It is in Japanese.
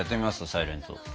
サイレント。